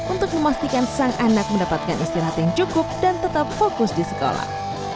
untuk memastikan sang anak mendapatkan istirahat yang cukup dan tetap fokus di sekolah